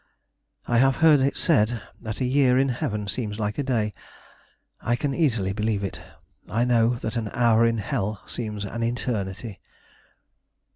I have heard it said that a year in heaven seems like a day; I can easily believe it. I know that an hour in hell seems an eternity!